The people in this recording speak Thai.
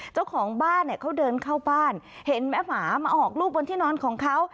เจ้าของบ้านเนี่ยเขาเดินเข้าบ้านเห็นแม่หมามาออกลูกบนที่นอนของเขา